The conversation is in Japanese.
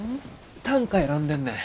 短歌選んでんねん。